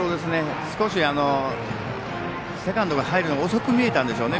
少しセカンドが入るのが遅く見えたんでしょうね